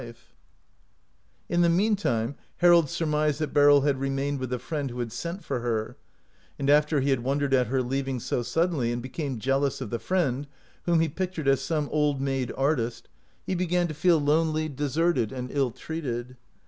181 OUT OF BOHEMIA In the mean time Harold surmised that Beryl had remained with the friend "who had sent for her "; and after he had won dered at her leaving so suddenly, and be come jealous of the friend, whom he pic tured as some "old maid artist," he began to feel lonely, deserted, and ill treated.